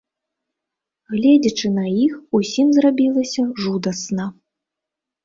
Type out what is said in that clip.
Гледзячы на іх, усім зрабілася жудасна.